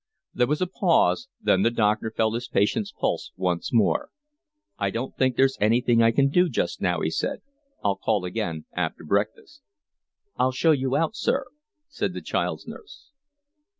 There was a pause. Then the doctor felt his patient's pulse once more. "I don't think there's anything I can do just now," he said. "I'll call again after breakfast." "I'll show you out, sir," said the child's nurse.